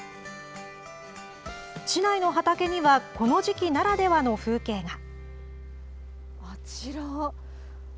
市内の畑には、この時期ならではの風景が。